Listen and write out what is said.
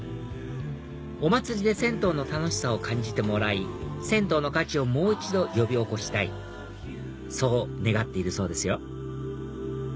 お祭りで銭湯の楽しさを感じてもらい銭湯の価値をもう一度呼び起こしたいそう願っているそうですよ